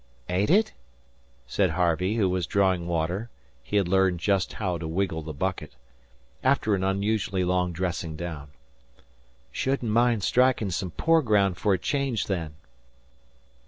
"Ain't it?" said Harvey, who was drawing water (he had learned just how to wiggle the bucket), after an unusually long dressing down. "Shouldn't mind striking some poor ground for a change, then."